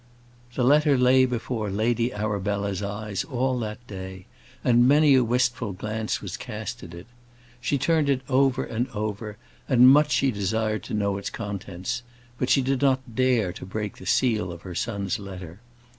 The letter lay before Lady Arabella's eyes all that day, and many a wistful glance was cast at it. She turned it over and over, and much she desired to know its contents; but she did not dare to break the seal of her son's letter.